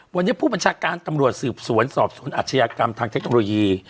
วันนี้ผู้บัญชาการตำรวจสืบสวนสอบสวนอาชญากรรมทางเทคโนโลยี